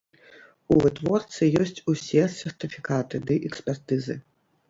У вытворцы ёсць усе сертыфікаты ды экспертызы.